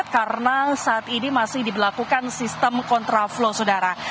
karena saat ini masih diberlakukan sistem kontra flow saudara